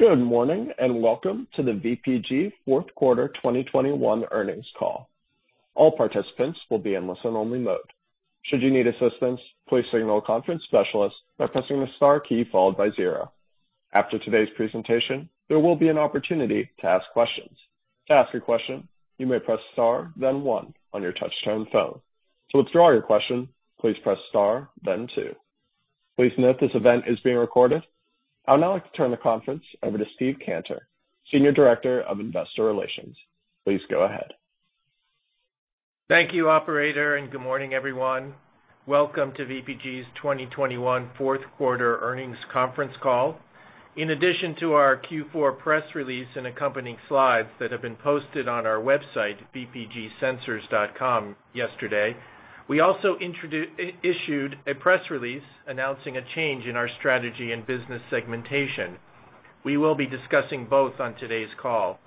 Good morning, and welcome to the VPG fourth quarter 2021 earnings call. All participants will be in listen-only mode. Should you need assistance, please signal a conference specialist by pressing the star key followed by zero. After today's presentation, there will be an opportunity to ask questions. To ask a question, you may press star then one on your touch-tone phone. To withdraw your question, please press star then two. Please note this event is being recorded. I'd now like to turn the conference over to Steve Cantor, Senior Director of Investor Relations. Please go ahead. Thank you, operator, and good morning, everyone. Welcome to VPG's 2021 fourth quarter earnings conference call. In addition to our Q4 press release and accompanying slides that have been posted on our website, vpgsensors.com, yesterday, we also issued a press release announcing a change in our strategy and business segmentation. We will be discussing both on today's call.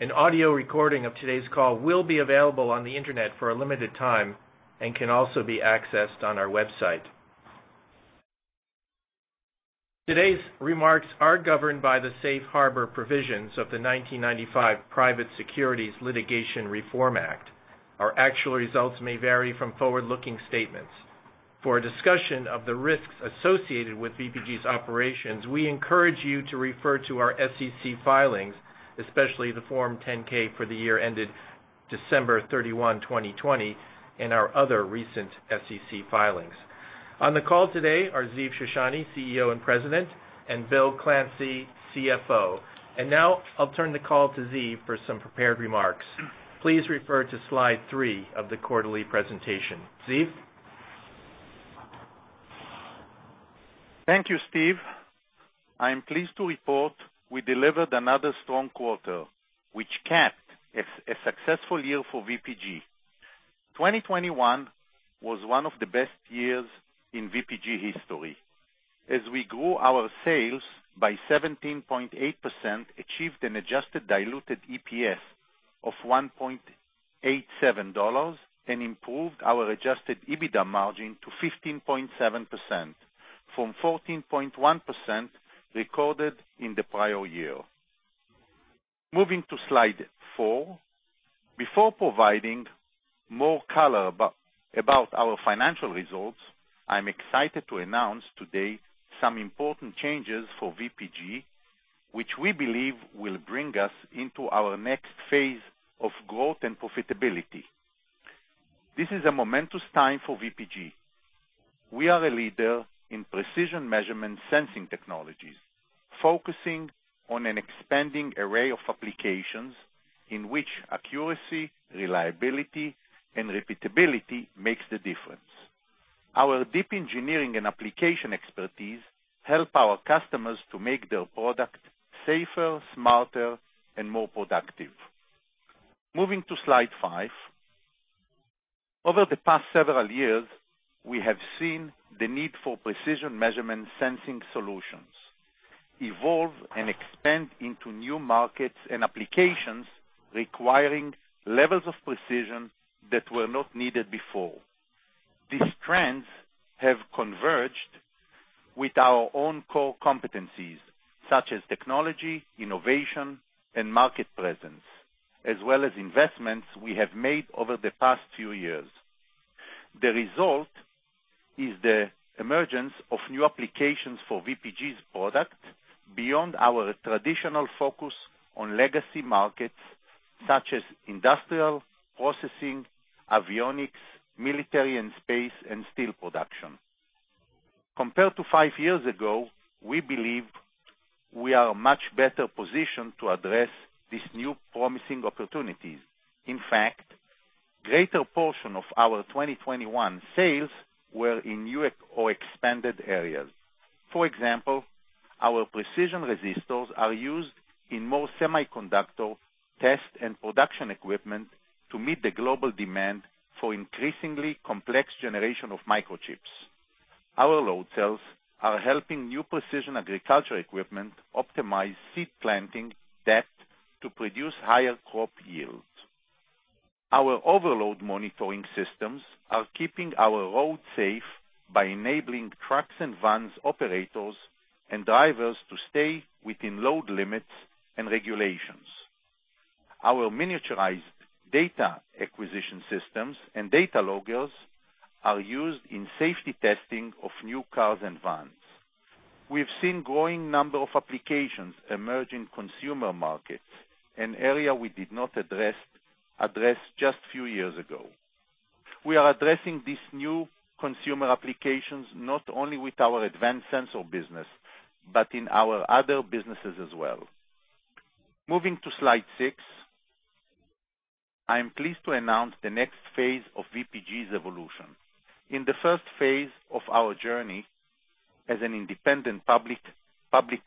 An audio recording of today's call will be available on the internet for a limited time and can also be accessed on our website. Today's remarks are governed by the safe harbor provisions of the 1995 Private Securities Litigation Reform Act. Our actual results may vary from forward-looking statements. For a discussion of the risks associated with VPG's operations, we encourage you to refer to our SEC filings, especially the Form 10-K for the year ended December 31, 2020, and our other recent SEC filings. On the call today are Ziv Shoshani, CEO and President, and Bill Clancy, CFO. Now I'll turn the call to Ziv for some prepared remarks. Please refer to Slide 3 of the quarterly presentation. Ziv? Thank you, Steve. I am pleased to report we delivered another strong quarter, which capped a successful year for VPG. 2021 was one of the best years in VPG history. We grew our sales by 17.8%, achieved an adjusted diluted EPS of $1.87, and improved our adjusted EBITDA margin to 15.7% from 14.1% recorded in the prior year. Moving to Slide 4. Before providing more color about our financial results, I'm excited to announce today some important changes for VPG, which we believe will bring us into our next phase of growth and profitability. This is a momentous time for VPG. We are a leader in precision measurement sensing technologies, focusing on an expanding array of applications in which accuracy, reliability, and repeatability makes the difference. Our deep engineering and application expertise help our customers to make their product safer, smarter, and more productive. Moving to Slide 5. Over the past several years, we have seen the need for precision measurement sensing solutions evolve and expand into new markets and applications requiring levels of precision that were not needed before. These trends have converged with our own core competencies, such as technology, innovation, and market presence, as well as investments we have made over the past few years. The result is the emergence of new applications for VPG's product beyond our traditional focus on legacy markets such as industrial, processing, avionics, military and space, and steel production. Compared to five years ago, we believe we are much better positioned to address these new promising opportunities. In fact, greater portion of our 2021 sales were in new or expanded areas. For example, our precision resistors are used in most semiconductor test and production equipment to meet the global demand for increasingly complex generation of microchips. Our load cells are helping new precision agriculture equipment optimize seed planting depth to produce higher crop yields. Our overload monitoring systems are keeping our roads safe by enabling trucks and vans operators and drivers to stay within load limits and regulations. Our miniaturized data acquisition systems and data loggers are used in safety testing of new cars and vans. We've seen growing number of applications emerge in consumer markets, an area we did not address just few years ago. We are addressing these new consumer applications not only with our advanced sensor business, but in our other businesses as well. Moving to Slide 6. I am pleased to announce the next phase of VPG's evolution. In the first phase of our journey as an independent public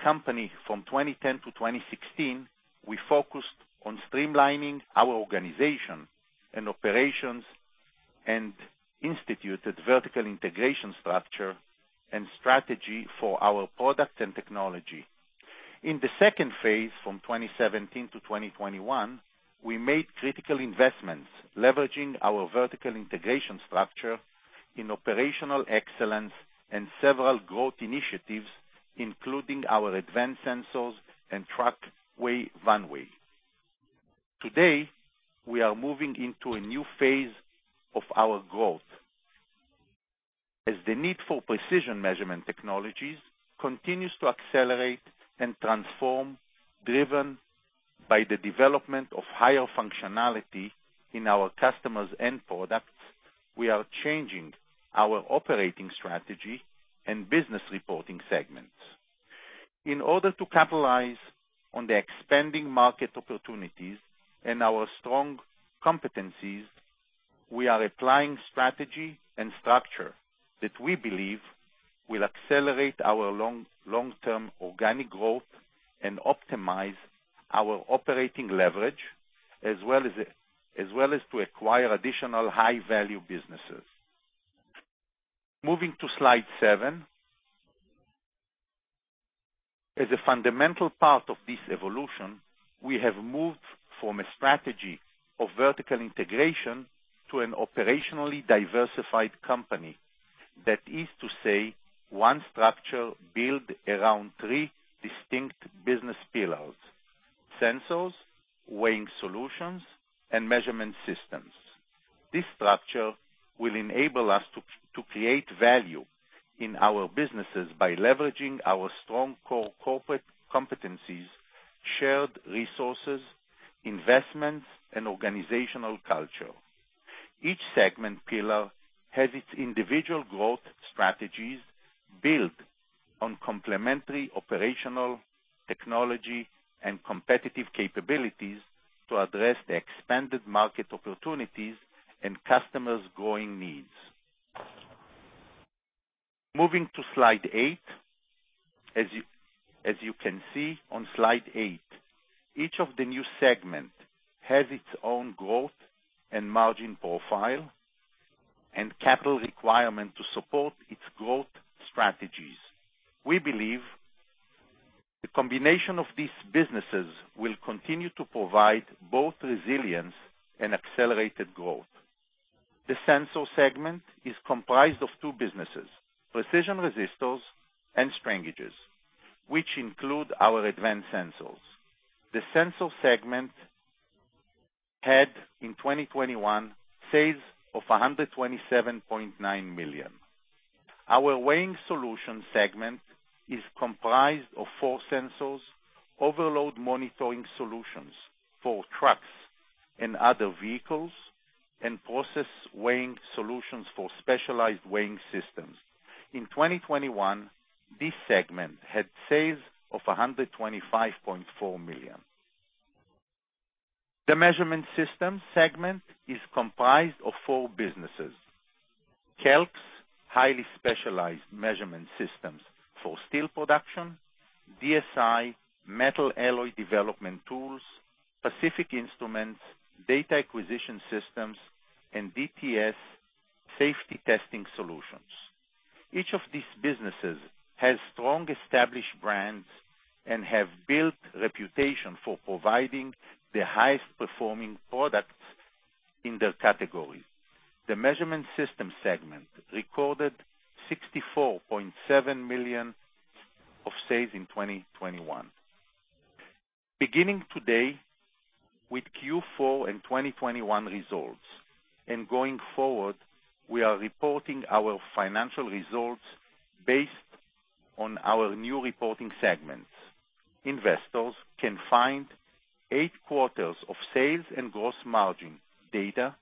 company from 2010-2016, we focused on streamlining our organization and operations and instituted vertical integration structure and strategy for our product and technology. In the second phase, from 2017-2021, we made critical investments leveraging our vertical integration structure in operational excellence and several growth initiatives, including our Advanced Sensors and TruckWeigh, VanWeigh. Today, we are moving into a new phase of our growth. As the need for precision measurement technologies continues to accelerate and transform, driven by the development of higher functionality in our customers' end products, we are changing our operating strategy and business reporting segments. In order to capitalize on the expanding market opportunities and our strong competencies, we are applying strategy and structure that we believe will accelerate our long-term organic growth and optimize our operating leverage, as well as to acquire additional high-value businesses. Moving to Slide 7. As a fundamental part of this evolution, we have moved from a strategy of vertical integration to an operationally diversified company. That is to say, one structure built around three distinct business pillars, Sensors, Weighing Solutions, and Measurement Systems. This structure will enable us to create value in our businesses by leveraging our strong core corporate competencies, shared resources, investments, and organizational culture. Each segment pillar has its individual growth strategies built on complementary operational technology and competitive capabilities to address the expanded market opportunities and customers' growing needs. Moving to Slide 8. As you can see on Slide 8, each of the new segment has its own growth and margin profile and capital requirement to support its growth strategies. We believe the combination of these businesses will continue to provide both resilience and accelerated growth. The Sensor segment is comprised of two businesses, precision resistors and strain gages, which include our Advanced Sensors. The Sensor segment had, in 2021, sales of $127.9 million. Our Weighing Solutions segment is comprised of four sensors, overload monitoring solutions for trucks and other vehicles, and process weighing solutions for specialized weighing systems. In 2021, this segment had sales of $125.4 million. The Measurement Systems segment is comprised of four businesses. KELK, highly specialized measurement systems for steel production, DSI, metal alloy development tools, Pacific Instruments, data acquisition systems, and DTS safety testing solutions. Each of these businesses has strong established brands and have built reputation for providing the highest performing products in their category. The measurement system segment recorded $64.7 million of sales in 2021. Beginning today, with Q4 and 2021 results, and going forward, we are reporting our financial results based on our new reporting segments. Investors can find eight quarters of sales and gross margin data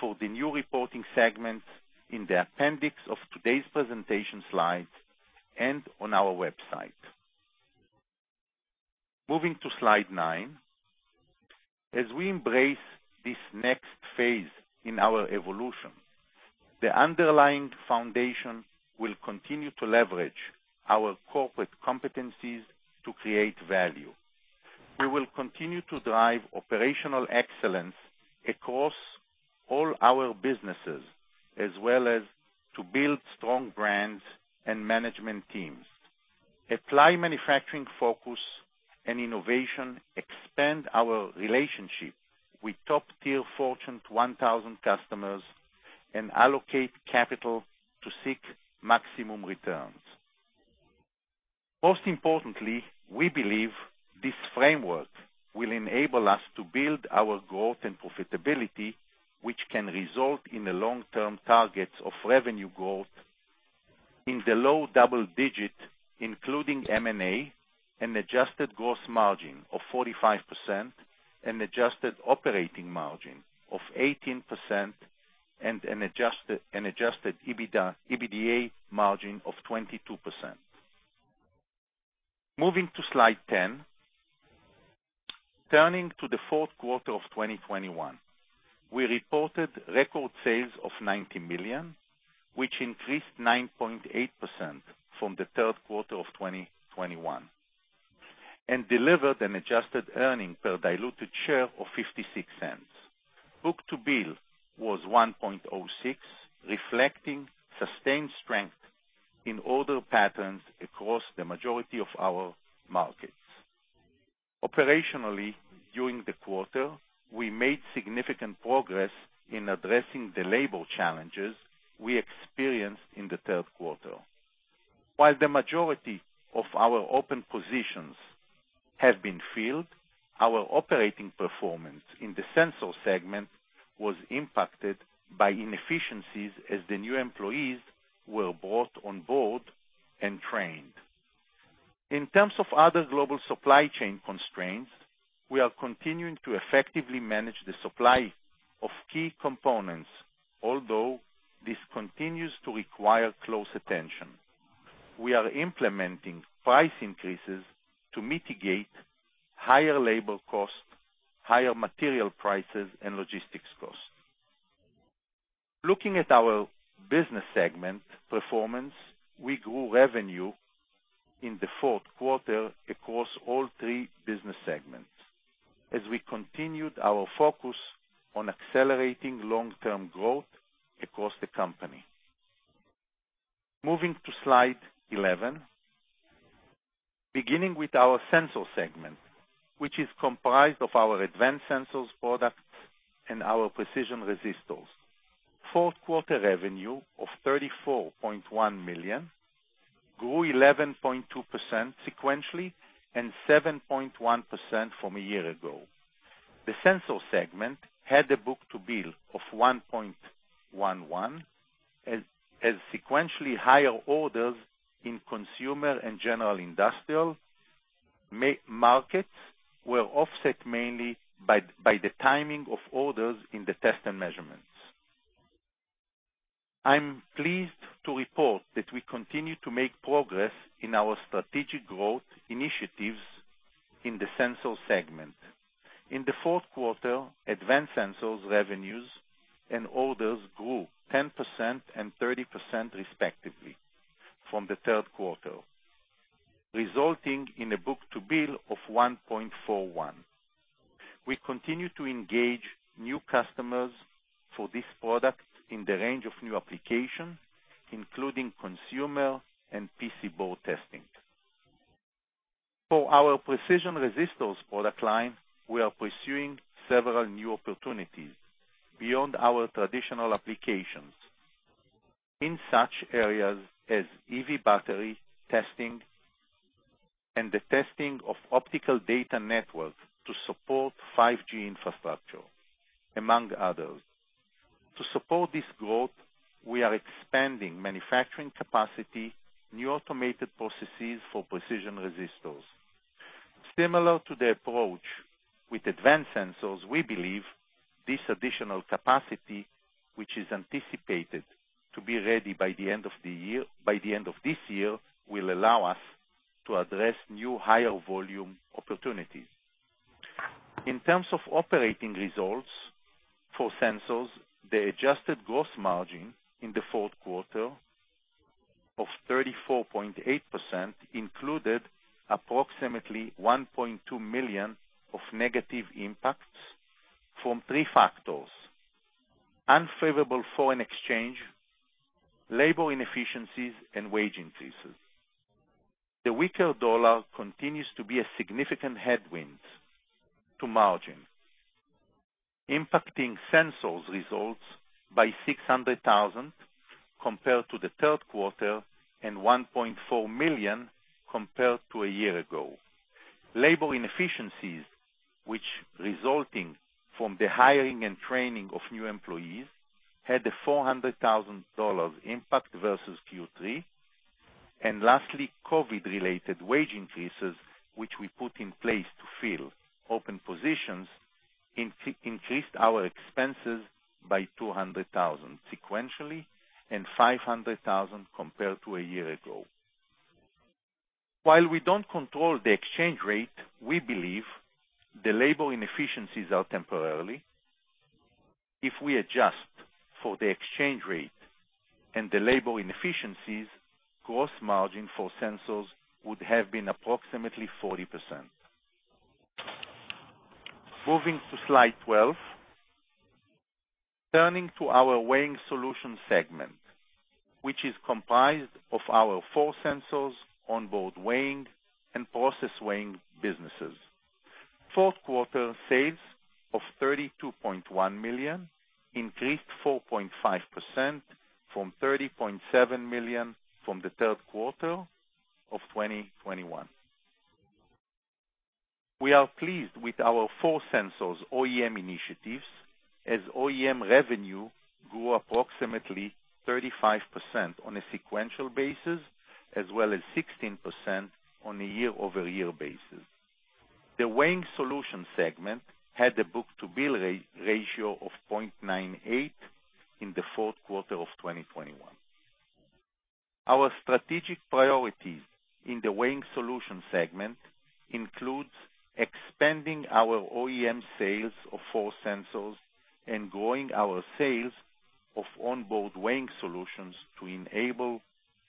for the new reporting segments in the appendix of today's presentation slides and on our website. Moving to Slide 9. As we embrace this next phase in our evolution, the underlying foundation will continue to leverage our corporate competencies to create value. We will continue to drive operational excellence across all our businesses, as well as to build strong brands and management teams, apply manufacturing focus and innovation, expand our relationships with top-tier Fortune 1000 customers, and allocate capital to seek maximum returns. Most importantly, we believe this framework will enable us to build our growth and profitability, which can result in the long-term targets of revenue growth in the low double-digit, including M&A, and adjusted gross margin of 45%, an adjusted operating margin of 18% and an adjusted EBITDA margin of 22%. Moving toSlide 10. Turning to the fourth quarter of 2021. We reported record sales of $90 million, which increased 9.8% from the third quarter of 2021, and delivered an adjusted earnings per diluted share of $0.56. Book-to-bill was 1.06, reflecting sustained strength in order patterns across the majority of our markets. Operationally, during the quarter, we made significant progress in addressing the labor challenges we experienced in the third quarter. While the majority of our open positions have been filled, our operating performance in the sensor segment was impacted by inefficiencies as the new employees were brought on board and trained. In terms of other global supply chain constraints, we are continuing to effectively manage the supply of key components, although this continues to require close attention. We are implementing price increases to mitigate higher labor costs, higher material prices, and logistics costs. Looking at our business segment performance, we grew revenue in the fourth quarter across all three business segments as we continued our focus on accelerating long-term growth across the company. Moving to Slide 11. Beginning with our Sensors segment, which is comprised of our Advanced Sensors products and our precision resistors. Fourth quarter revenue of $34.1 million grew 11.2% sequentially and 7.1% from a year ago. The Sensors segment had a book-to-bill of 1.11, as sequentially higher orders in consumer and general industrial markets were offset mainly by the timing of orders in the test and measurements. I'm pleased to report that we continue to make progress in our strategic growth initiatives in the Sensors segment. In the fourth quarter, Advanced Sensors revenues and orders grew 10% and 30% respectively from the third quarter, resulting in a book-to-bill of 1.41. We continue to engage new customers for this product in the range of new applications, including consumer and PC board testing. For our precision resistors product line, we are pursuing several new opportunities beyond our traditional applications in such areas as EV battery testing and the testing of optical data networks to support 5G infrastructure, among others. To support this growth, we are expanding manufacturing capacity with new automated processes for precision resistors. Similar to the approach with Advanced Sensors, we believe this additional capacity, which is anticipated to be ready by the end of this year, will allow us to address new higher volume opportunities. In terms of operating results for sensors, the adjusted gross margin in the fourth quarter of 34.8% included approximately $1.2 million of negative impacts from three factors, unfavorable foreign exchange, labor inefficiencies, and wage increases. The weaker dollar continues to be a significant headwind to margin, impacting Sensors results by $600,000 compared to the third quarter and $1.4 million compared to a year ago. Labor inefficiencies, which resulting from the hiring and training of new employees, had a $400,000 impact versus Q3. Lastly, COVID-related wage increases, which we put in place to fill open positions, increased our expenses by $200,000 sequentially and $500,000 compared to a year ago. While we don't control the exchange rate, we believe the labor inefficiencies are temporarily. If we adjust for the exchange rate and the labor inefficiencies, gross margin for Sensors would have been approximately 40%. Moving to Slide 12. Turning to our Weighing Solutions segment, which is comprised of our force sensors, On-Board Weighing and Process Weighing businesses. Fourth quarter sales of $32.1 million increased 4.5% from $30.7 million from the third quarter of 2021. We are pleased with our force sensors OEM initiatives as OEM revenue grew approximately 35% on a sequential basis as well as 16% on a year-over-year basis. The weighing solution segment had a book-to-bill ratio of 0.98 in the fourth quarter of 2021. Our strategic priorities in the weighing solution segment includes expanding our OEM sales of force sensors and growing our sales of on-board weighing solutions to enable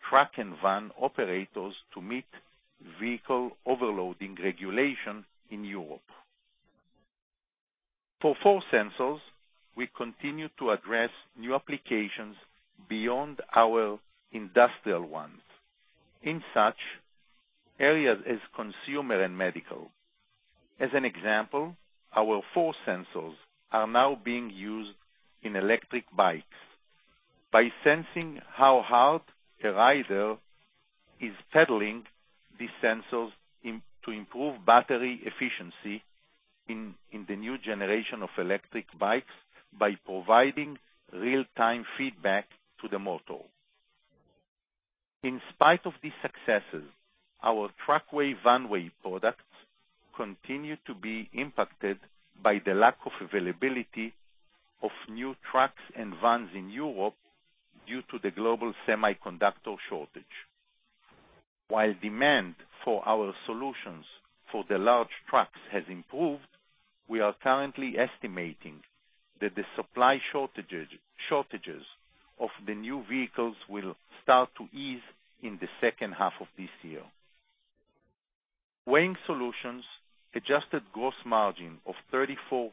truck and van operators to meet vehicle overloading regulation in Europe. For force sensors, we continue to address new applications beyond our industrial ones, in such areas as consumer and medical. As an example, our force sensors are now being used in electric bikes. By sensing how hard a rider is pedaling, these sensors aim to improve battery efficiency in the new generation of electric bikes by providing real-time feedback to the motor. In spite of these successes, our TruckWeigh, VanWeigh products continue to be impacted by the lack of availability of new trucks and vans in Europe due to the global semiconductor shortage. While demand for our solutions for the large trucks has improved, we are currently estimating that the supply shortages of the new vehicles will start to ease in the second half of this year. Weighing Solutions adjusted gross margin of 34.0%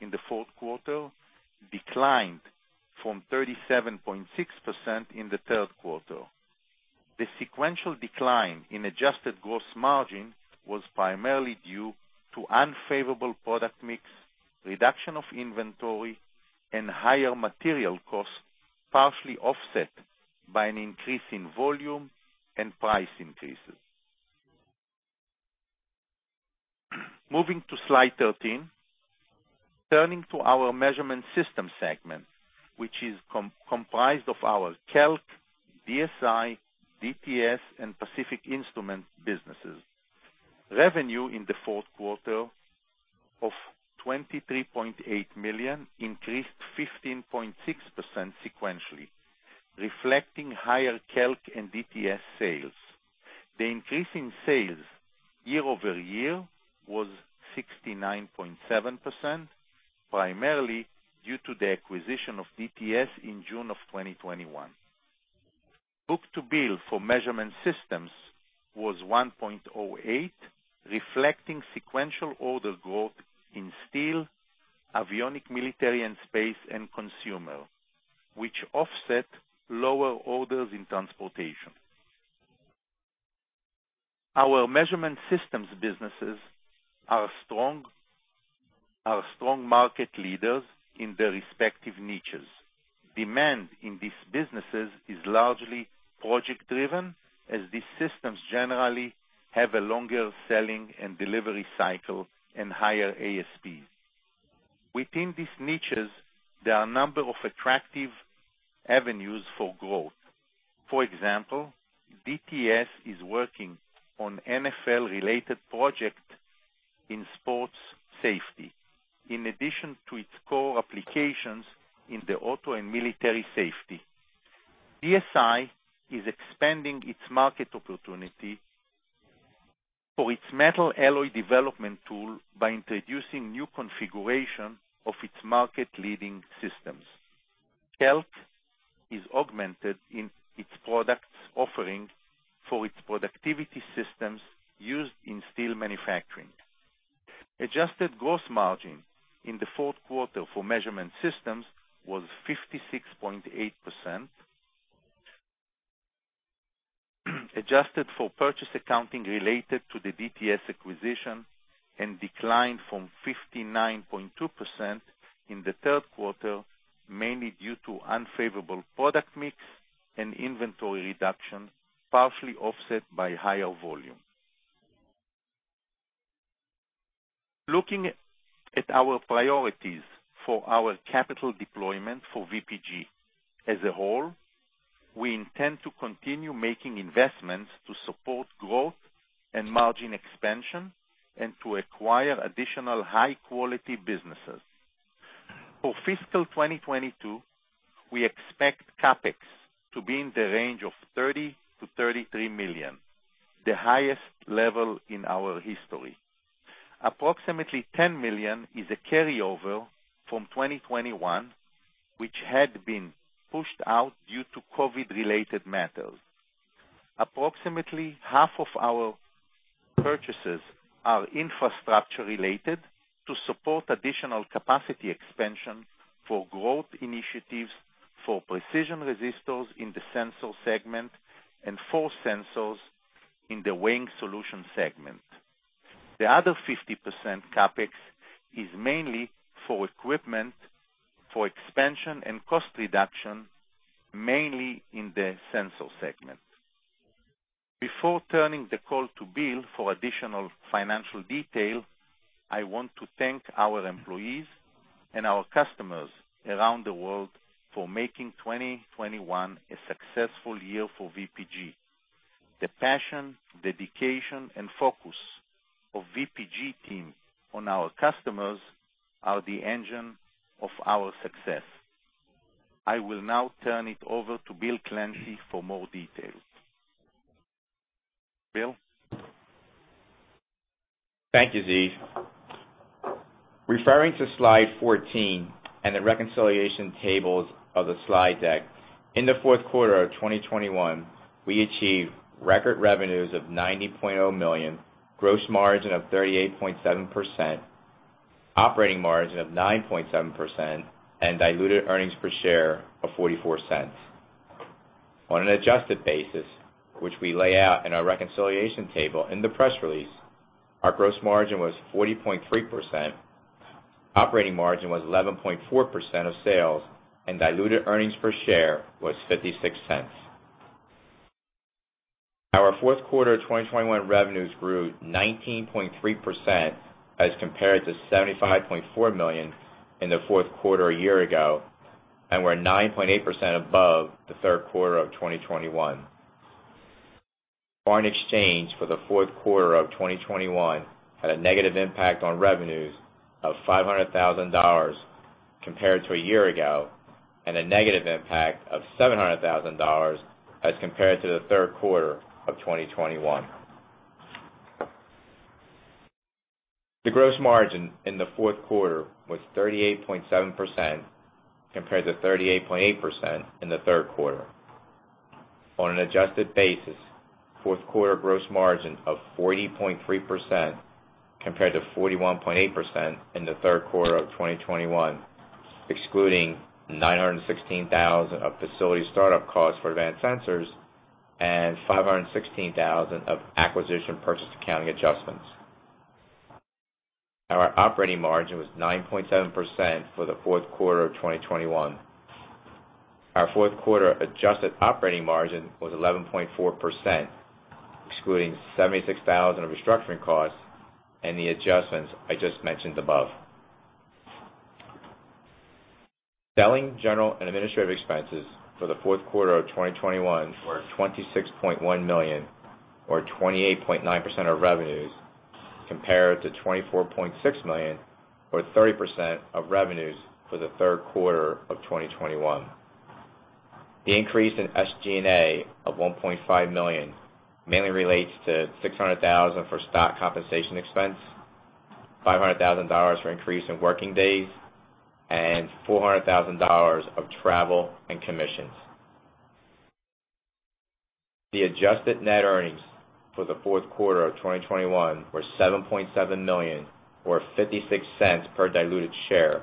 in the fourth quarter declined from 37.6% in the third quarter. The sequential decline in adjusted gross margin was primarily due to unfavorable product mix, reduction of inventory, and higher material costs, partially offset by an increase in volume and price increases. Moving to Slide 13. Turning to our Measurement Systems segment, which is comprised of our KELK, DSI, DTS, and Pacific Instruments businesses. Revenue in the fourth quarter of $23.8 million increased 15.6% sequentially, reflecting higher KELK and DTS sales. The increase in sales year over year was 69.7%, primarily due to the acquisition of DTS in June 2021. Book-to-bill for measurement systems was 1.08, reflecting sequential order growth in steel, avionics, military, and space and consumer, which offset lower orders in transportation. Our measurement systems businesses are strong market leaders in their respective niches. Demand in these businesses is largely project-driven, as these systems generally have a longer selling and delivery cycle and higher ASPs. Within these niches, there are a number of attractive avenues for growth. For example, DTS is working on NFL-related projects in sports safety, in addition to its core applications in the auto and military safety. DSI is expanding its market opportunity for its metal alloy development tool by introducing new configuration of its market-leading systems. KELK is augmenting its product offering for its productivity systems used in steel manufacturing. Adjusted gross margin in the fourth quarter for measurement systems was 56.8%. Adjusted for purchase accounting related to the DTS acquisition and declined from 59.2% in the third quarter, mainly due to unfavorable product mix and inventory reduction, partially offset by higher volume. Looking at our priorities for our capital deployment for VPG as a whole, we intend to continue making investments to support growth and margin expansion and to acquire additional high quality businesses. For fiscal 2022, we expect CapEx to be in the range of $30 million-$33 million, the highest level in our history. Approximately $10 million is a carryover from 2021, which had been pushed out due to COVID-related matters. Approximately half of our purchases are infrastructure-related to support additional capacity expansion for growth initiatives for precision resistors in the Sensors segment and force sensors in the Weighing Solution segment. The other 50% CapEx is mainly for equipment for expansion and cost reduction, mainly in the Sensors segment. Before turning the call to Bill for additional financial detail, I want to thank our employees and our customers around the world for making 2021 a successful year for VPG. The passion, dedication, and focus of VPG team on our customers are the engine of our success. I will now turn it over to Bill Clancy for more details. Bill? Thank you, Ziv. Referring to Slide 14 and the reconciliation tables of the slide deck. In the fourth quarter of 2021, we achieved record revenues of $90.0 million, gross margin of 38.7%, operating margin of 9.7%, and diluted earnings per share of $0.44. On an adjusted basis, which we lay out in our reconciliation table in the press release, our gross margin was 40.3%, operating margin was 11.4% of sales, and diluted earnings per share was $0.56. Our fourth quarter 2021 revenues grew 19.3% as compared to $75.4 million in the fourth quarter a year ago, and we're 9.8% above the third quarter of 2021. Foreign exchange for the fourth quarter of 2021 had a negative impact on revenues of $500,000 compared to a year ago, and a negative impact of $700,000 as compared to the third quarter of 2021. The gross margin in the fourth quarter was 38.7% compared to 38.8% in the third quarter. On an adjusted basis, fourth quarter gross margin of 40.3% compared to 41.8% in the third quarter of 2021, excluding $916 thousand of facility startup costs for Advanced Sensors and $516,000 of acquisition purchase accounting adjustments. Our operating margin was 9.7% for the fourth quarter of 2021. Our fourth quarter adjusted operating margin was 11.4%, excluding $76,000 of restructuring costs and the adjustments I just mentioned above. Selling, general, and administrative expenses for the fourth quarter of 2021 were $26.1 million or 28.9% of revenues, compared to $24.6 million or 30% of revenues for the third quarter of 2021. The increase in SG&A of $1.5 million mainly relates to $600,000 for stock compensation expense, $500,000 for increase in working days, and $400,000 of travel and commissions. The adjusted net earnings for the fourth quarter of 2021 were $7.7 million or $0.56 per diluted share,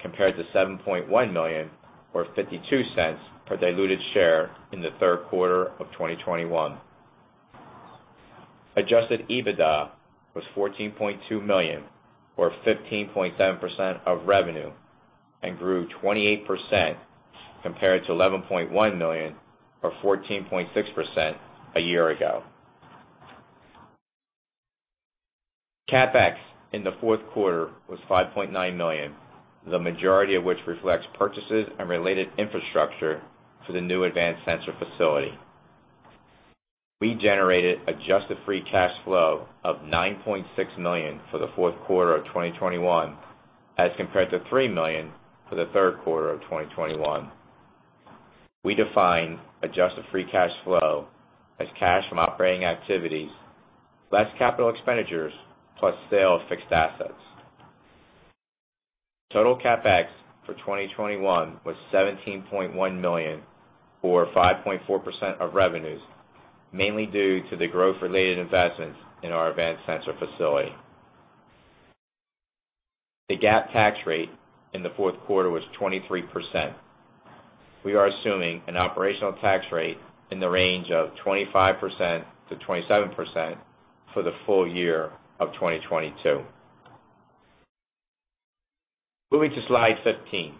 compared to $7.1 million or $0.52 per diluted share in the third quarter of 2021. Adjusted EBITDA was $14.2 million or 15.7% of revenue and grew 28% compared to $11.1 million or 14.6% a year ago. CapEx in the fourth quarter was $5.9 million, the majority of which reflects purchases and related infrastructure for the new advanced sensor facility. We generated adjusted free cash flow of $9.6 million for the fourth quarter of 2021 as compared to $3 million for the third quarter of 2021. We define adjusted free cash flow as cash from operating activities, less capital expenditures, plus sale of fixed assets. Total CapEx for 2021 was $17.1 million or 5.4% of revenues, mainly due to the growth-related investments in our advanced sensor facility. The GAAP tax rate in the fourth quarter was 23%. We are assuming an operational tax rate in the range of 25%-27% for the full year of 2022. Moving to Slide 15.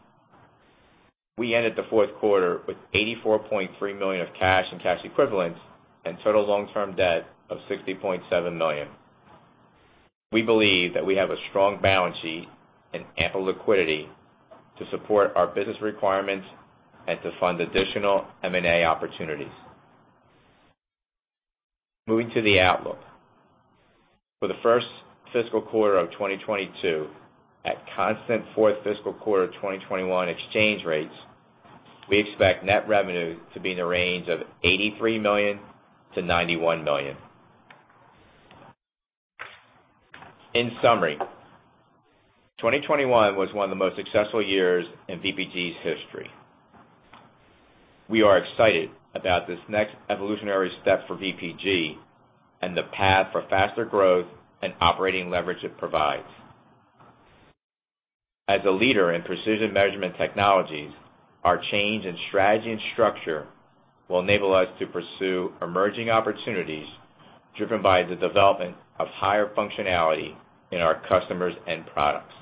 We ended the fourth quarter with $84.3 million of cash and cash equivalents and total long-term debt of $60.7 million. We believe that we have a strong balance sheet and ample liquidity to support our business requirements and to fund additional M&A opportunities. Moving to the outlook. For the first fiscal quarter of 2022 at constant fourth fiscal quarter of 2021 exchange rates, we expect net revenue to be in the range of $83 million-$91 million. In summary, 2021 was one of the most successful years in VPG's history. We are excited about this next evolutionary step for VPG and the path for faster growth and operating leverage it provides. As a leader in precision measurement technologies, our change in strategy and structure will enable us to pursue emerging opportunities driven by the development of higher functionality in our customers and products.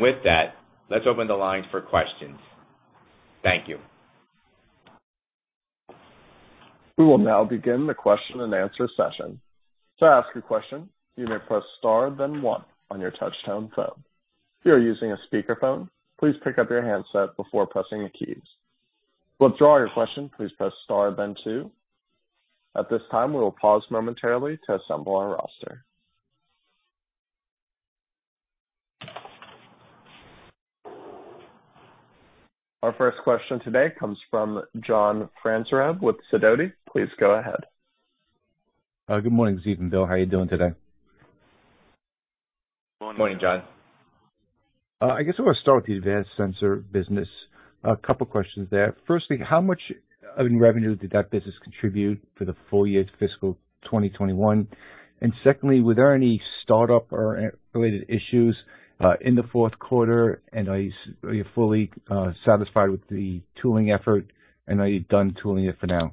With that, let's open the lines for questions. Thank you. We will now begin the question and answer session. To ask a question, you may press star then one on your touchtone phone. If you are using a speakerphone, please pick up your handset before pressing the keys. To withdraw your question, please press star then two. At this time, we will pause momentarily to assemble our roster. Our first question today comes from John Franzreb with Sidoti. Please go ahead. Good morning, Ziv and Bill. How are you doing today? Morning, John. I guess I want to start with the Advanced Sensors business. A couple of questions there. First, how much in revenue did that business contribute for the full year’s fiscal 2021? And second, were there any startup or Advanced-related issues in the fourth quarter, and are you fully satisfied with the tooling effort? Are you done tooling it for now?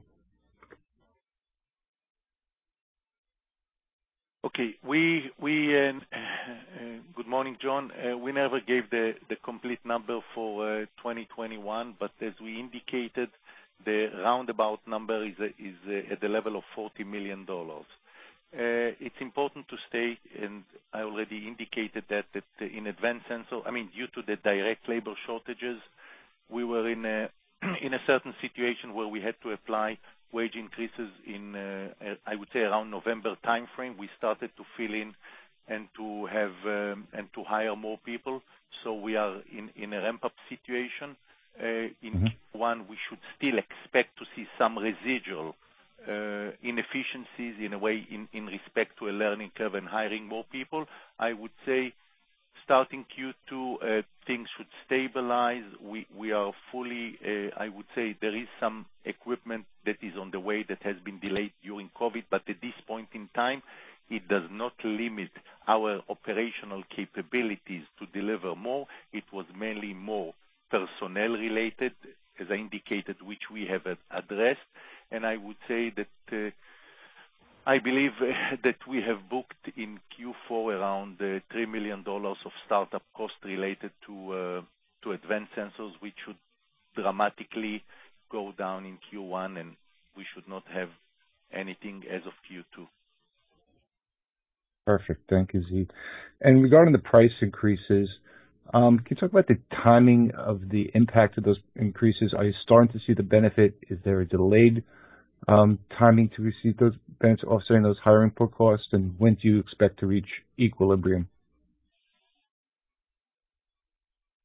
Good morning, John. We never gave the complete number for 2021, but as we indicated, the roundabout number is at the level of $40 million. It's important to state, and I already indicated that, due to the direct labor shortages, we were in a certain situation where we had to apply wage increases in, I would say around November timeframe, we started to fill in and to have and to hire more people. We are in a ramp-up situation. In Q1, we should still expect to see some residual inefficiencies in a way in respect to a learning curve and hiring more people. I would say starting Q2, things should stabilize. I would say there is some equipment that is on the way that has been delayed during COVID, but at this point in time, it does not limit our operational capabilities to deliver more. It was mainly more personnel related, as I indicated, which we have addressed. I would say that I believe that we have booked in Q4 around $3 million of startup cost related to Advanced Sensors, which should dramatically go down in Q1, and we should not have anything as of Q2. Perfect. Thank you, Ziv. Regarding the price increases, can you talk about the timing of the impact of those increases? Are you starting to see the benefit? Is there a delayed timing to receive those benefits offsetting those hiring pool costs? When do you expect to reach equilibrium?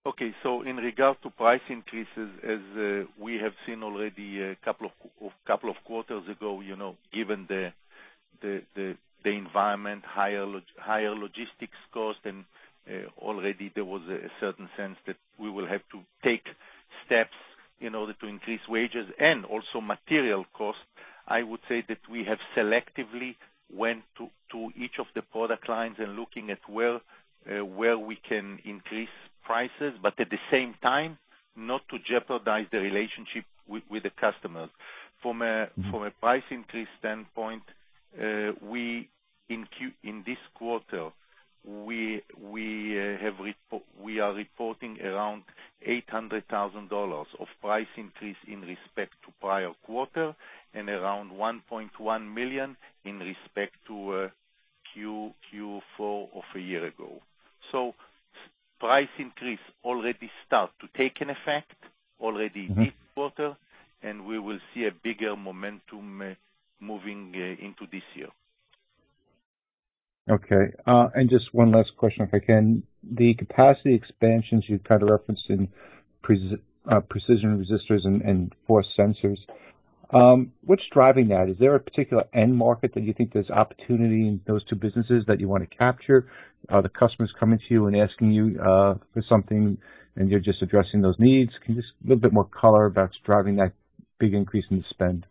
Okay. In regards to price increases, as we have seen already a couple of quarters ago, you know, given the environment, higher logistics costs, and already there was a certain sense that we will have to take steps in order to increase wages and also material costs. I would say that we have selectively went to each of the product lines and looking at where we can increase prices, but at the same time, not to jeopardize the relationship with the customers. From a From a price increase standpoint, in this quarter, we are reporting around $800,000 of price increase in respect to prior quarter and around $1.1 million in respect to Q4 of a year ago. Price increase already start to take an effect already this quarter, and we will see a bigger momentum moving into this year. Okay. Just one last question, if I can. The capacity expansions you kind of referenced in precision resistors and force sensors, what's driving that? Is there a particular end market that you think there's opportunity in those two businesses that you wanna capture? Are the customers coming to you and asking you for something and you're just addressing those needs? Can you just a little bit more color about what's driving that big increase in spend?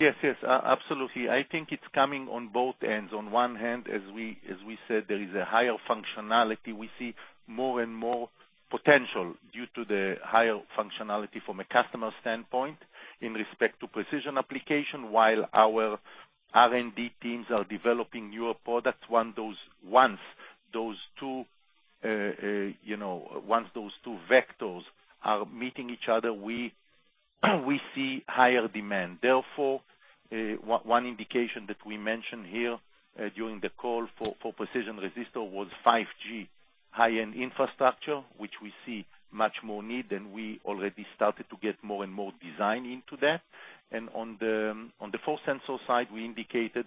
Yes, yes. Absolutely. I think it's coming on both ends. On one hand, as we said, there is a higher functionality. We see more and more potential due to the higher functionality from a customer standpoint in respect to precision application, while our R&D teams are developing newer products. Once those two vectors are meeting each other, we see higher demand. Therefore, one indication that we mentioned here during the call for precision resistor was 5G high-end infrastructure, which we see much more need, and we already started to get more and more design into that. On the force sensor side, we indicated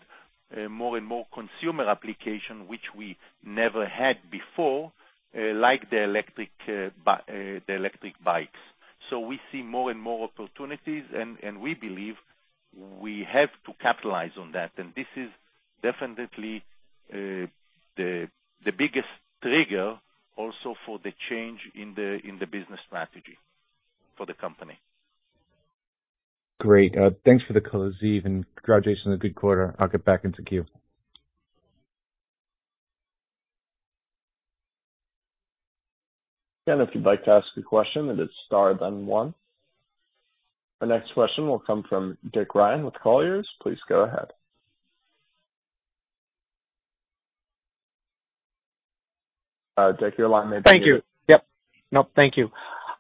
more and more consumer application, which we never had before, like the electric bikes. We see more and more opportunities, and we believe we have to capitalize on that. This is definitely the biggest trigger also for the change in the business strategy for the company. Great. Thanks for the color, Ziv, and congratulations on a good quarter. I'll get back into queue. Again, if you'd like to ask a question, it is star then one. The next question will come from Dick Ryan with Colliers. Please go ahead. Dick, your line may be- Thank you. Yep. No, thank you.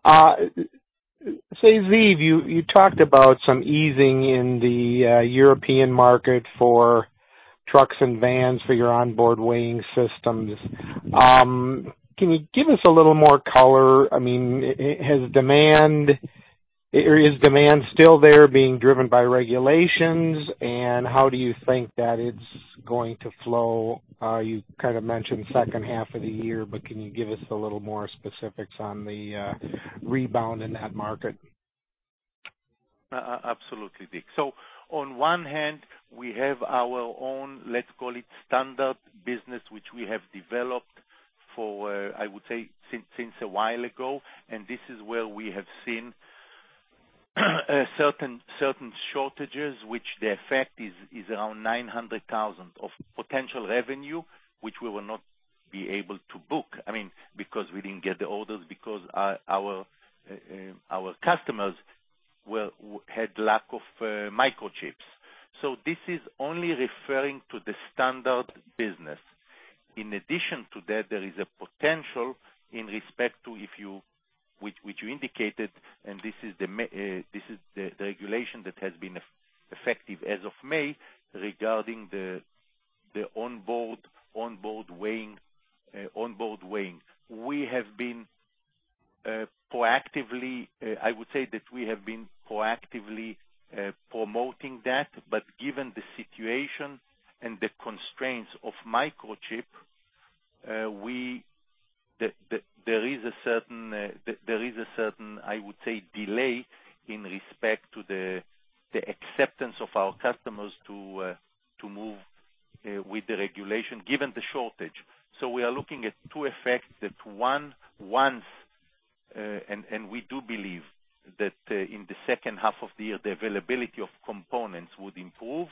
So Ziv, you talked about some easing in the European market for trucks and vans for your onboard weighing systems. Can you give us a little more color? I mean, has demand or is demand still there being driven by regulations, and how do you think that it's going to flow? You kind of mentioned second half of the year, but can you give us a little more specifics on the rebound in that market? Absolutely, Dick. On one hand, we have our own, let's call it standard business, which we have developed for, I would say, since a while ago, and this is where we have seen a certain shortages, which the effect is around $900,000 of potential revenue, which we will not be able to book. I mean, because we didn't get the orders because our customers had lack of microchips. This is only referring to the standard business. In addition to that, there is a potential in respect to which you indicated, and this is the regulation that has been effective as of May regarding the onboard weighing. I would say that we have been proactively promoting that. Given the situation and the constraints of microchip, there is a certain delay, I would say, in respect to the acceptance of our customers to move with the regulation given the shortage. We are looking at two effects. That one, once, and we do believe that in the second half of the year, the availability of components would improve.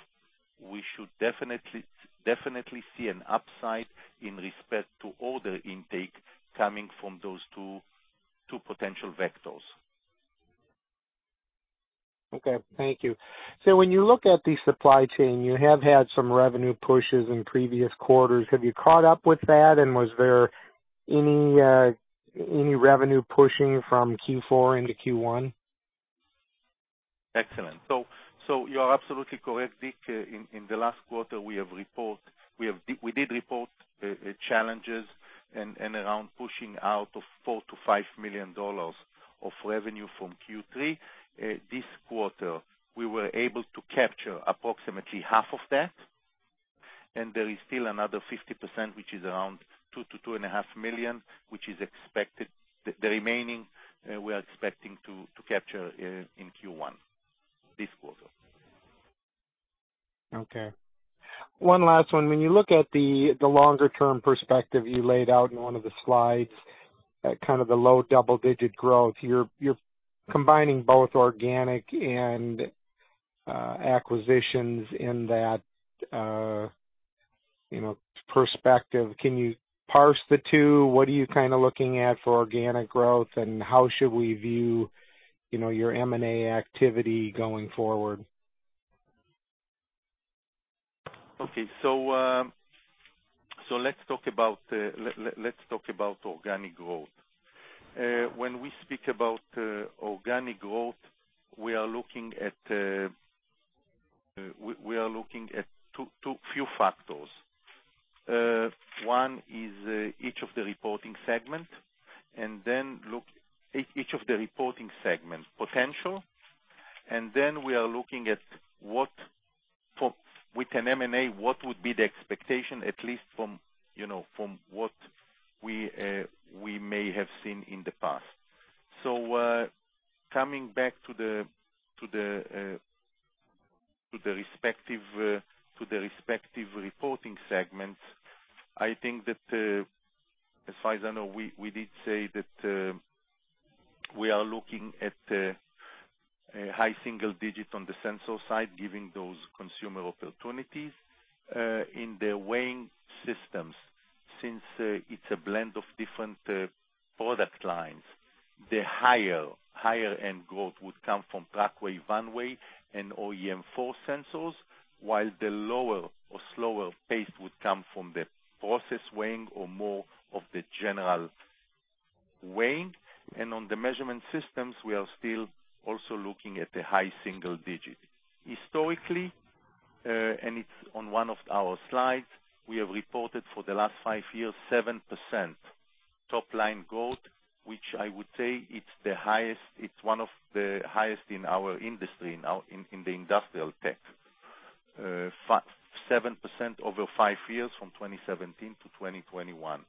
We should definitely see an upside in respect to order intake coming from those two potential vectors. Okay. Thank you. When you look at the supply chain, you have had some revenue pushes in previous quarters. Have you caught up with that? Was there any revenue pushing from Q4 into Q1? Excellent. You are absolutely correct, Dick. In the last quarter we did report challenges around pushing out of $4 million-$5 million of revenue from Q3. This quarter, we were able to capture approximately half of that, and there is still another 50%, which is around $2 million-$2.5 million, which is expected. The remaining we are expecting to capture in Q1 this quarter. Okay. One last one. When you look at the longer term perspective you laid out in one of the slides, kind of the low double-digit growth, you're combining both organic and acquisitions in that, you know, perspective. Can you parse the two? What are you kind of looking at for organic growth, and how should we view, you know, your M&A activity going forward? Okay. Let's talk about organic growth. When we speak about organic growth, we are looking at two key factors. One is each of the reporting segments, and then each of the reporting segments potential. We are looking at what from M&A would be the expectation, at least from, you know, from what we may have seen in the past. Coming back to the respective reporting segments, I think that as far as I know, we did say that we are looking at a high single-digit percentage on the sensor side, given those consumer opportunities in the weighing systems. Since it's a blend of different product lines, the higher end growth would come from TruckWeigh, VanWeigh, and OEM force sensors, while the lower or slower pace would come from the process weighing or more of the general weighing. On the measurement systems, we are still also looking at the high single digit. Historically, and it's on one of our slides, we have reported for the last five years, 7% top-line growth, which I would say it's the highest. It's one of the highest in our industry now in the industrial tech. 7% over five years from 2017 to 2021.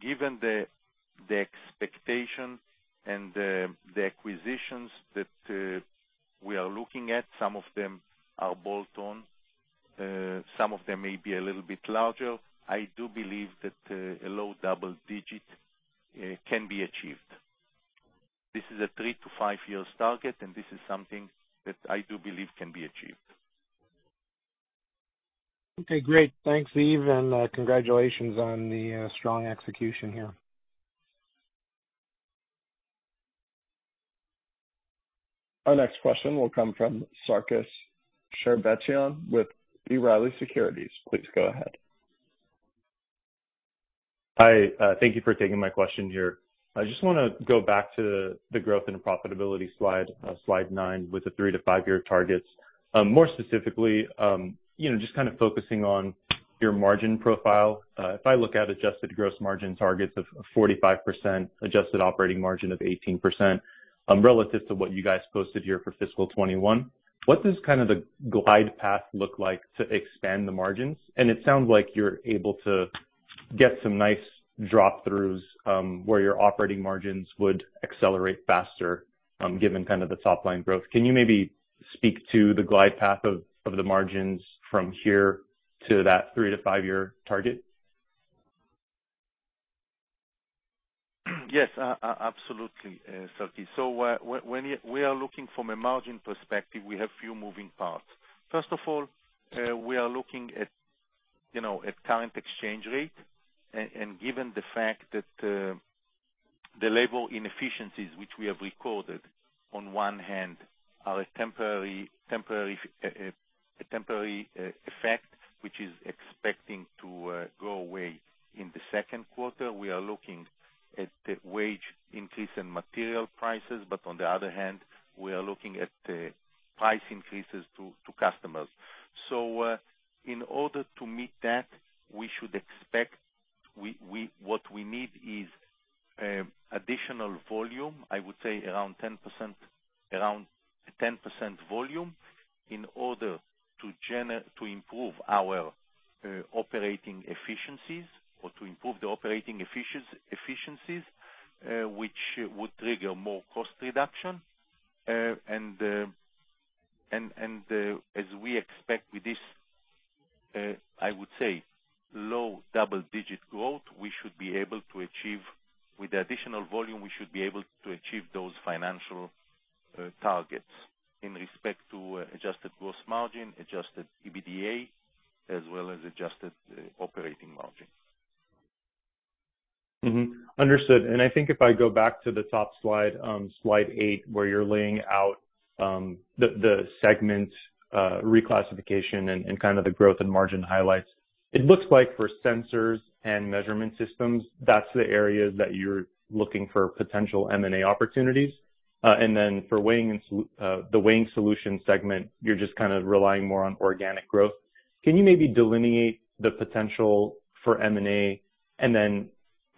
Given the expectation and the acquisitions that we are looking at, some of them are bolt-on, some of them may be a little bit larger. I do believe that a low double digit can be achieved. This is a three to five year target, and this is something that I do believe can be achieved. Okay, great. Thanks, Ziv, and congratulations on the strong execution here. Our next question will come from Sarkis Sherbetchyan with B. Riley Securities. Please go ahead. Hi. Thank you for taking my question here. I just wanna go back to the growth and profitability Slide 9, with the three to five year targets. More specifically, you know, just kind of focusing on your margin profile. If I look at adjusted gross margin targets of 45%, adjusted operating margin of 18%, relative to what you guys posted here for fiscal 2021, what does kind of the glide path look like to expand the margins? It sounds like you're able to get some nice drop-throughs, where your operating margins would accelerate faster, given kind of the top line growth. Can you maybe speak to the glide path of the margins from here to that three to five year target? Yes, absolutely, Sarkis. When we are looking from a margin perspective, we have few moving parts. First of all, we are looking at, you know, at current exchange rate, and given the fact that the labor inefficiencies which we have recorded on one hand are temporary effect,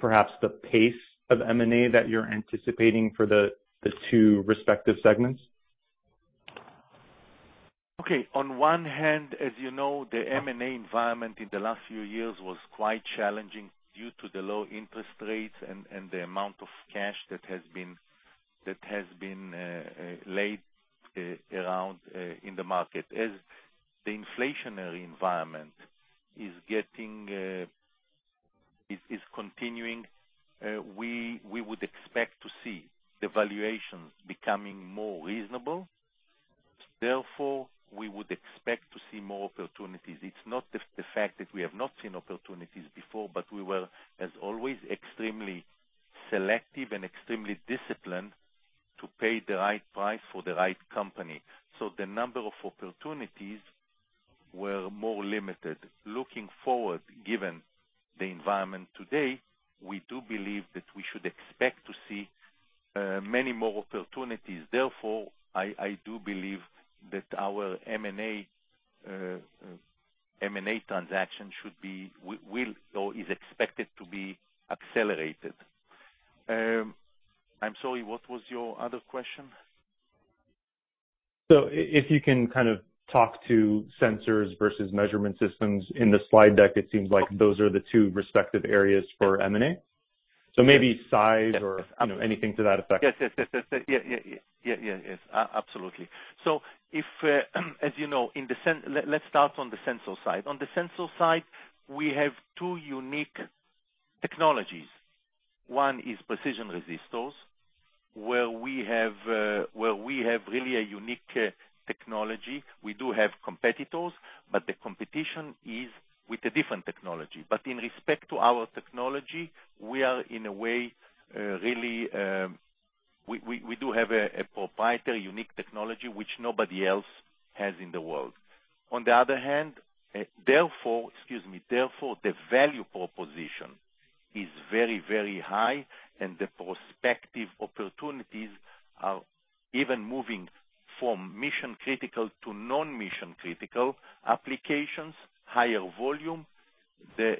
perhaps the pace of M&A that you're anticipating for the 2 respective segments? Okay. On one hand, as you know, the M&A environment in the last few years was quite challenging due to the low interest rates and the amount of cash that has been lying around in the market. As the inflationary environment is continuing, we would expect to see the valuations becoming more reasonable. Therefore, we would expect to see more opportunities. It's not the fact that we have not seen opportunities before, but we were, as always, extremely selective and extremely disciplined to pay the right price for the right company. The number of opportunities were more limited. Looking forward, given the environment today, we do believe that we should expect to see many more opportunities. Therefore, I do believe that our M&A transaction should be will or is expected to be accelerated. I'm sorry, what was your other question? If you can kind of talk to sensors versus measurement systems. In the slide deck, it seems like those are the two respective areas for M&A. Maybe size or, you know, anything to that effect. Yes. Absolutely. Let's start on the sensor side. On the sensor side, we have two unique technologies. One is precision resistors, where we have really a unique technology. We do have competitors, but the competition is with a different technology. But in respect to our technology, we are in a way really we do have a proprietary unique technology which nobody else has in the world. On the other hand, therefore, the value proposition is very, very high, and the prospective opportunities are even moving from mission-critical to non-mission-critical applications, higher volume. The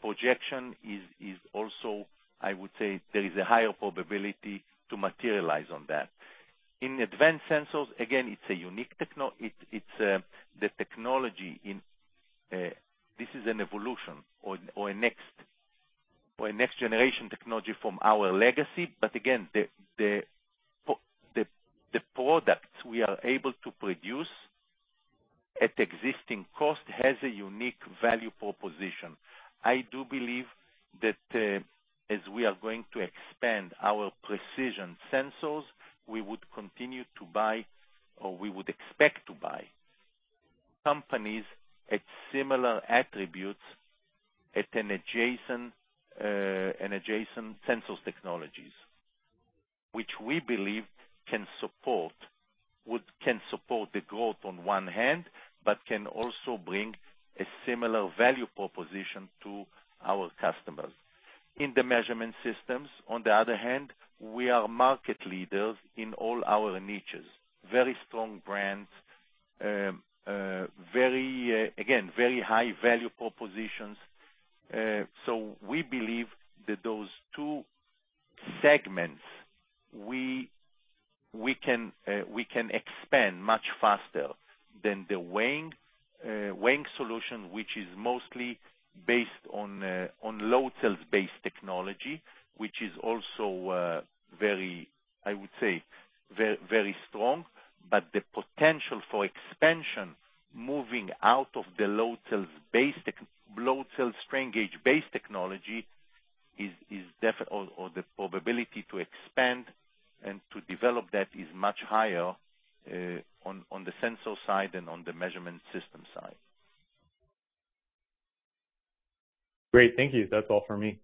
projection is also, I would say there is a higher probability to materialize on that. In Advanced Sensors, again, it's a unique technology. It's the technology. In this, it's an evolution or a next-generation technology from our legacy. Again, the products we are able to produce at existing cost has a unique value proposition. I do believe that as we are going to expand our precision sensors, we would continue to buy or we would expect to buy companies at similar attributes at an adjacent sensor technologies, which we believe can support the growth on one hand, but can also bring a similar value proposition to our customers. In the measurement systems, on the other hand, we are market leaders in all our niches. Very strong brands. Again, very high value propositions. We believe that those two segments we can expand much faster than the weighing solution, which is mostly based on load cells based technology, which is also very strong, but the potential for expansion moving out of the load cells strain gages based technology or the probability to expand and to develop that is much higher on the sensor side than on the measurement system side. Great. Thank you. That's all for me.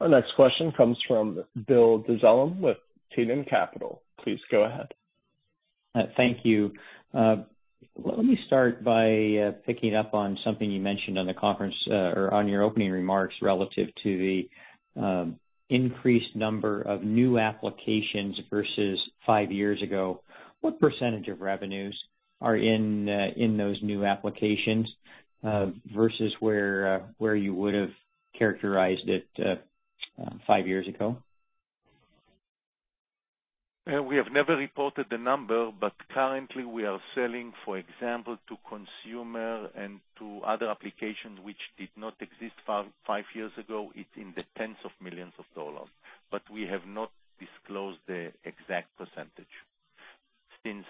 Our next question comes from Bill Dezellem with Tieton Capital. Please go ahead. Thank you. Let me start by picking up on something you mentioned on your opening remarks relative to the increased number of new applications versus five years ago. What percentage of revenues are in those new applications versus where you would have characterized it five years ago? We have never reported the number, but currently we are selling, for example, to consumer and to other applications which did not exist five years ago. It's in the $10s of millions, but we have not disclosed the exact percentage since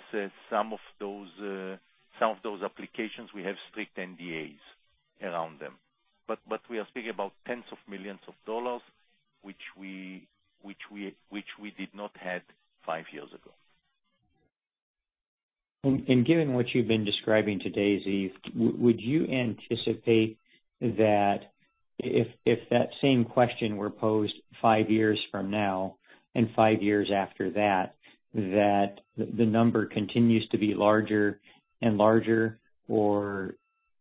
some of those applications, we have strict NDAs around them. We are speaking about $10s of millions, which we did not have five years ago. Given what you've been describing today, Ziv, would you anticipate that if that same question were posed five years from now and five years after that the number continues to be larger and larger or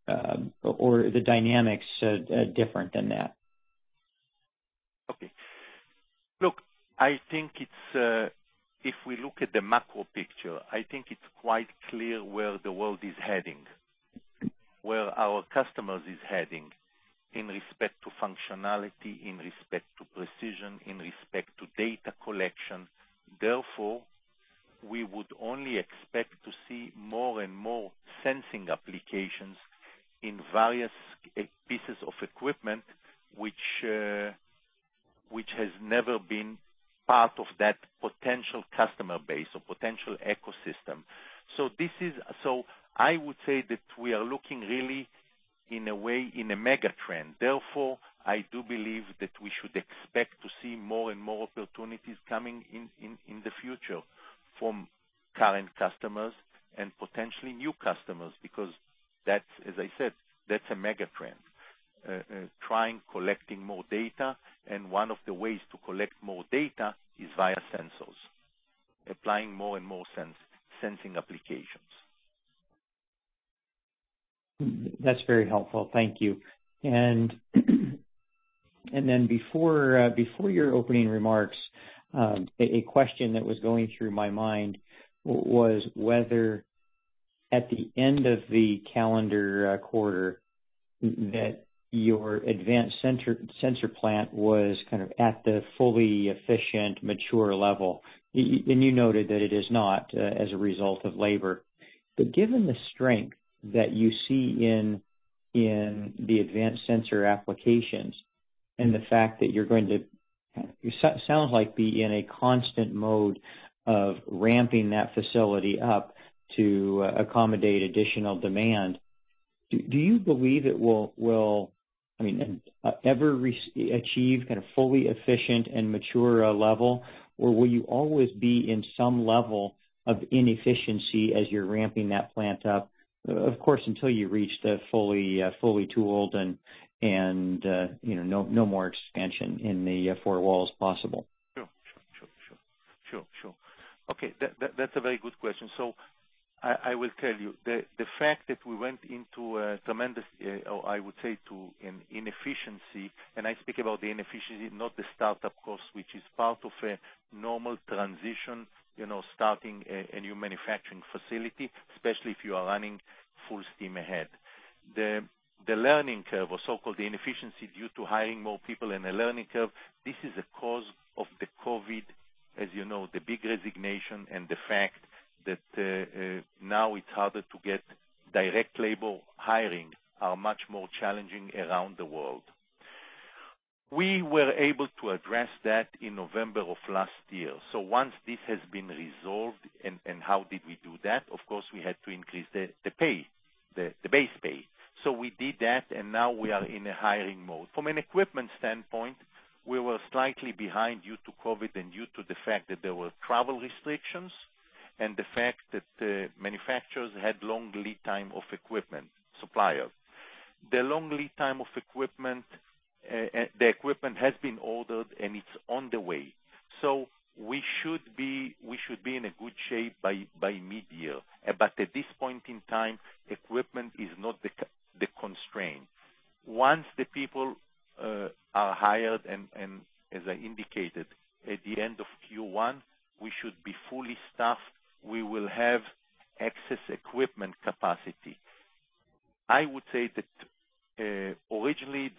the dynamics are different than that? Okay. Look, I think it's if we look at the macro picture, I think it's quite clear where the world is heading, where our customers is heading in respect to functionality, in respect to precision, in respect to data collection. Therefore, we would only expect to see more and more sensing applications in various pieces of equipment which has never been part of that potential customer base or potential ecosystem. I would say that we are looking really in a way in a mega trend. Therefore, I do believe that we should expect to see more and more opportunities coming in in the future from current customers and potentially new customers because that's, as I said, that's a mega trend. Trying to collect more data, and one of the ways to collect more data is via sensors. Applying more and more sensing applications. That's very helpful. Thank you. Then before your opening remarks, a question that was going through my mind was whether at the end of the calendar quarter that your Advanced Sensors plant was kind of at the fully efficient mature level. You noted that it is not, as a result of labor. Given the strength that you see in the Advanced Sensors applications and the fact that it sounds like you're going to be in a constant mode of ramping that facility up to accommodate additional demand, do you believe it will, I mean, ever achieve kind of fully efficient and mature level, or will you always be in some level of inefficiency as you're ramping that plant up? Of course, until you reach the fully tooled and you know, no more expansion in the four walls possible. Sure. Okay. That's a very good question. I will tell you, the fact that we went into a tremendous, or I would say to an inefficiency, and I speak about the inefficiency, not the start-up cost, which is part of a normal transition, you know, starting a new manufacturing facility, especially if you are running full steam ahead. The learning curve or so-called the inefficiency due to hiring more people and a learning curve, this is a cause of the COVID, as you know, the big resignation and the fact that, now it's harder to get direct labor hiring are much more challenging around the world. We were able to address that in November of last year. Once this has been resolved. How did we do that? Of course, we had to increase the base pay. We did that, and now we are in a hiring mode. From an equipment standpoint, we were slightly behind due to COVID and due to the fact that there were travel restrictions and the fact that manufacturers had long lead time of equipment suppliers. The equipment has been ordered, and it's on the way. We should be in a good shape by mid-year. At this point in time, equipment is not the constraint. Once the people are hired and as I indicated at the end of Q1, we should be fully staffed. We will have excess equipment capacity. I would say that originally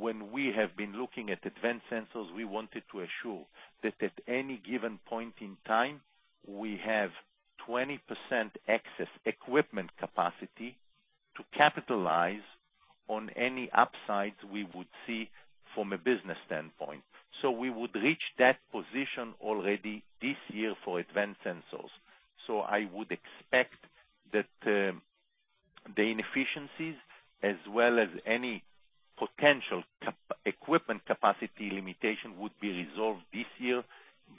when we have been looking at Advanced Sensors, we wanted to assure that at any given point in time, we have 20% excess equipment capacity to capitalize on any upsides we would see from a business standpoint. We would reach that position already this year for Advanced Sensors. I would expect that the inefficiencies as well as any potential equipment capacity limitation would be resolved this year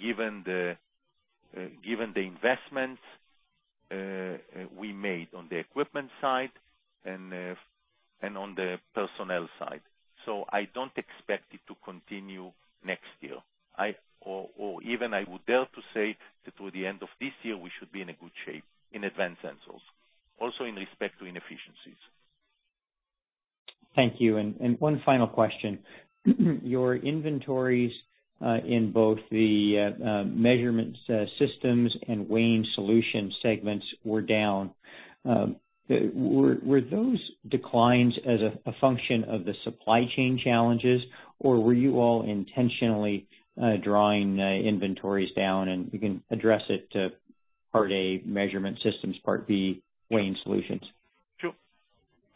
given the investments we made on the equipment side and on the personnel side. I don't expect it to continue next year. Or even I would dare to say that through the end of this year, we should be in a good shape in Advanced Sensors, also in respect to inefficiencies. Thank you. One final question. Your inventories in both the Measurement Systems and Weighing Solutions segments were down. Were those declines as a function of the supply chain challenges, or were you all intentionally drawing inventories down? You can address it to part A, Measurement Systems, part B, Weighing Solutions.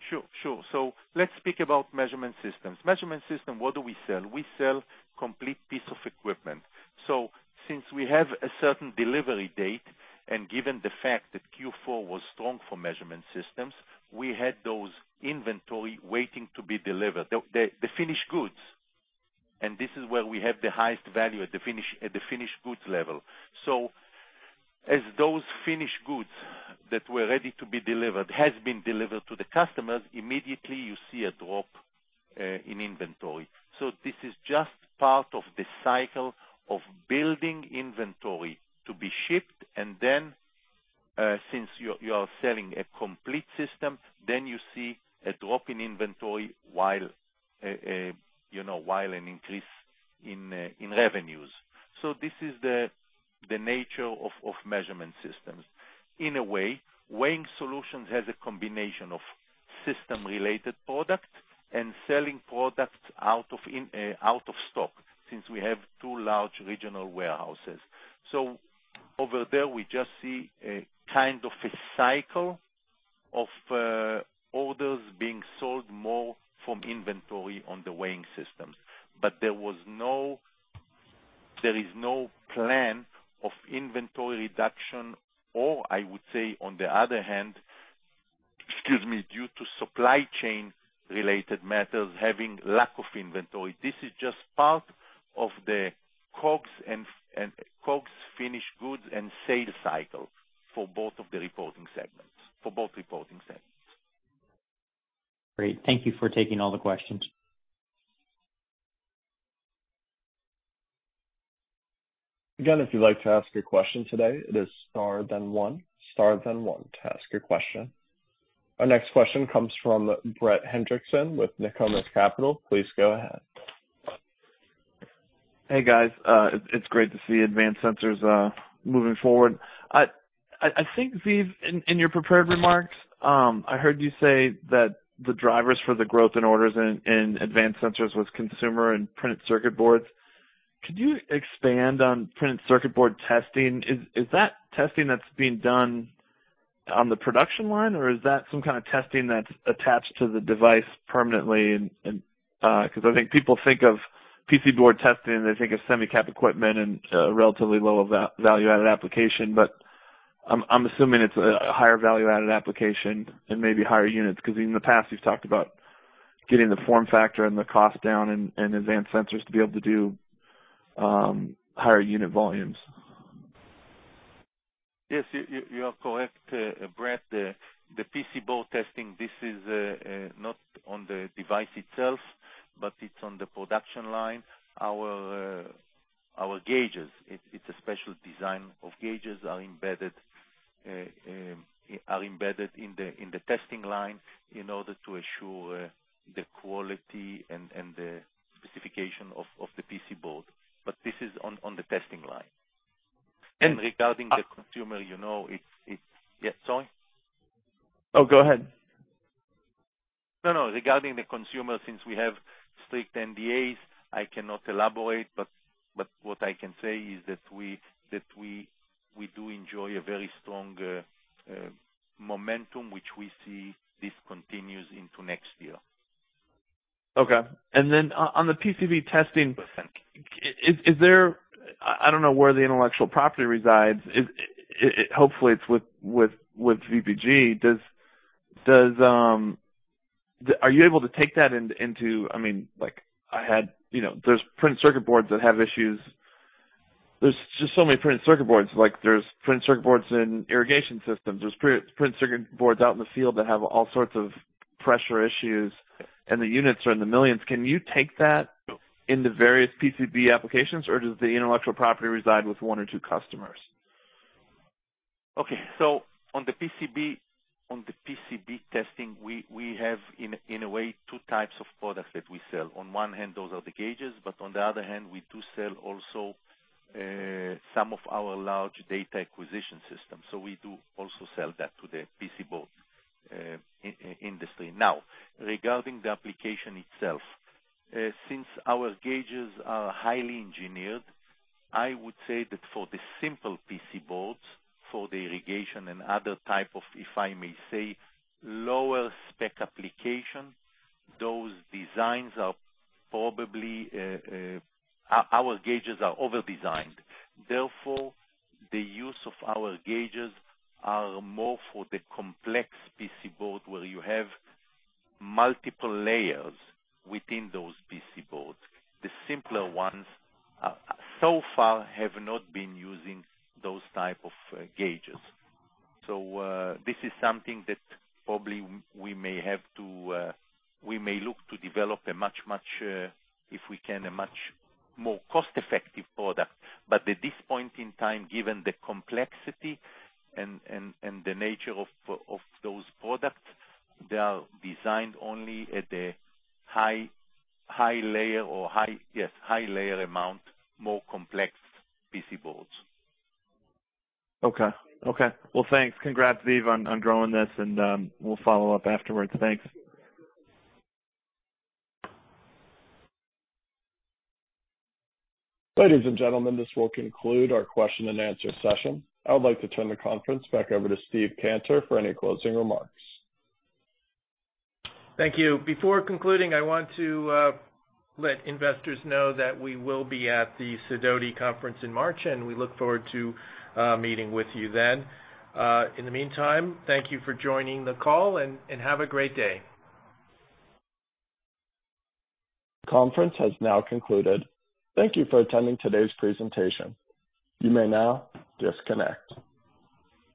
Sure. Let's speak about Measurement Systems. Measurement System, what do we sell? We sell complete piece of equipment. Since we have a certain delivery date, and given the fact that Q4 was strong for Measurement Systems, we had those inventory waiting to be delivered. The finished goods, and this is where we have the highest value at the finish, at the finished goods level. As those finished goods that were ready to be delivered has been delivered to the customers, immediately you see a drop in inventory. This is just part of the cycle of building inventory to be shipped, and then since you are selling a complete system, then you see a drop in inventory while you know while an increase in revenues. This is the nature of Measurement Systems. In a way, Weighing Solutions has a combination of system-related products and selling products out of inventory since we have two large regional warehouses. Over there, we just see a kind of a cycle of orders being sold more from inventory on the weighing system. There is no plan of inventory reduction, or I would say on the other hand, excuse me, due to supply chain related matters, having lack of inventory. This is just part of the COGS and finished goods and sales cycles for both of the reporting segments. Great. Thank you for taking all the questions. Again, if you'd like to ask a question today, it is star then one. Star then one to ask your question. Our next question comes from Brett Hendrickson with Nokomis Capital. Please go ahead. Hey, guys. It's great to see Advanced Sensors moving forward. I think, Ziv, in your prepared remarks, I heard you say that the drivers for the growth in orders in Advanced Sensors was consumer and printed circuit boards. Could you expand on printed circuit board testing? Is that testing that's being done on the production line, or is that some kind of testing that's attached to the device permanently and because I think people think of PC board testing, they think of semi-cap equipment and relatively low value-added application. I'm assuming it's a higher value-added application and maybe higher units because in the past you've talked about getting the form factor and the cost down and Advanced Sensors to be able to do higher unit volumes. Yes. You are correct, Brett. The PC board testing. This is not on the device itself, but it's on the production line. Our gauges, it's a special design of gauges, are embedded in the testing line in order to assure the quality and the specification of the PC board. This is on the testing line. And-. Regarding the consumer, you know, it's. Yeah, sorry. Oh, go ahead. No. Regarding the consumer, since we have strict NDAs, I cannot elaborate, but what I can say is that we do enjoy a very strong momentum, which we see this continues into next year. Okay. On the PCB testing, is there I don't know where the intellectual property resides. Hopefully, it's with VPG. Are you able to take that into I mean, like, I had, you know, there's printed circuit boards that have issues. There's just so many printed circuit boards. Like, there's printed circuit boards in irrigation systems. There's printed circuit boards out in the field that have all sorts of pressure issues, and the units are in the millions. Can you take that into various PCB applications, or does the intellectual property reside with one or two customers? Okay. On the PCB, on the PCB testing, we have in a way two types of products that we sell. On one hand, those are the gages, but on the other hand, we also sell some of our large data acquisition systems. We also sell that to the PC board industry. Now, regarding the application itself, since our gages are highly engineered, I would say that for the simple PC boards, for the rigid and other type of, if I may say, lower spec application, those designs are probably our gages are over-designed. Therefore, the use of our gages are more for the complex PC board where you have multiple layers within those PC boards. The simpler ones so far have not been using those type of gages. This is something that probably we may have to, we may look to develop a much, if we can, a much more cost-effective product. At this point in time, given the complexity and the nature of those products, they are designed only at a high layer amount, more complex PC boards. Okay. Well, thanks. Congrats, Ziv, on growing this, and we'll follow up afterwards. Thanks. Ladies and gentlemen, this will conclude our question and answer session. I would like to turn the conference back over to Steve Cantor for any closing remarks. Thank you. Before concluding, I want to let investors know that we will be at the Sidoti conference in March, and we look forward to meeting with you then. In the meantime, thank you for joining the call, and have a great day. Conference has now concluded. Thank you for attending today's presentation. You may now disconnect.